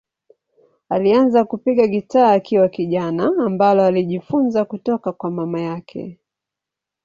Alianza kupiga gitaa akiwa kijana, ambalo alijifunza kutoka kwa mama yake.